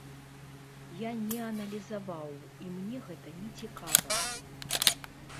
Я не аналізаваў, і мне гэта нецікава.